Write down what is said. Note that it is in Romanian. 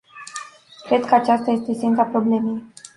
Cred că aceasta este esența problemei.